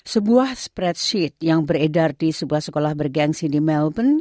sebuah spread sheet yang beredar di sebuah sekolah bergensi di melbourne